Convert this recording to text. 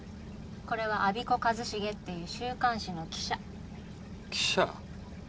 これは我孫子和重っていう週刊誌の記者記者？